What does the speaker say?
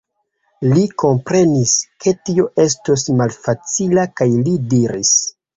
Li komprenis, ke tio estos malfacila kaj li diris: